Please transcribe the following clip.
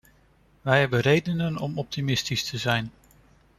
Wij hebben reden om optimistisch te zijn.